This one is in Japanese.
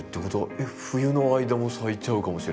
えっ冬の間も咲いちゃうかもしれないってことですよね。